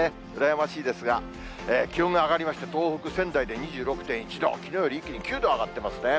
羨ましいですが、気温が上がりまして、東北・仙台で２６．１度、きのうより一気に９度上がってますね。